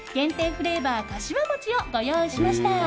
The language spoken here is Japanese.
フレーバーかしわもちをご用意しました。